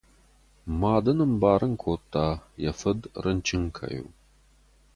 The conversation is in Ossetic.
Мад ын амбарын кодта, йӕ фыд рынчын кӕй у.